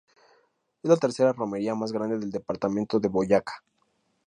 Es la tercera romería más grande del departamento de Boyacá.